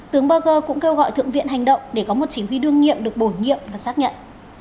tướng barger cũng kêu gọi thượng viện hành động để có một chỉ huy đương nhiệm được bổ nhiệm và xác nhận